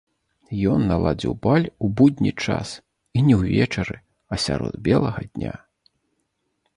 Ён наладзіў баль у будні час і не ўвечары, а сярод белага дня.